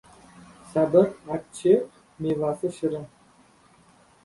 • Sabr — achchiq, mevasi — shirin.